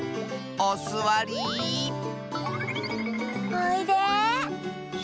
おいで。